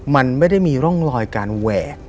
มันไม่ได้มีร่องรอยการแหวก